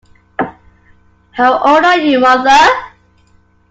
How old are you, mother.